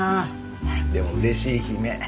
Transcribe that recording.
でも嬉しい悲鳴。